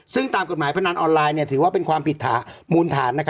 ซึ่งตามกฎหมายพนันออนไลน์ถือว่าเป็นความผิดฐานมูลฐาน